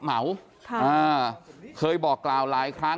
จะไม่เคลียร์กันได้ง่ายนะครับ